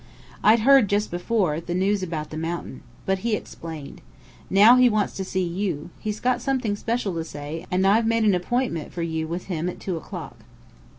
I'd heard just before, the news about the mountain. But he explained. Now he wants to see you. He's got something special to say, and I've made an appointment for you with him at two o'clock."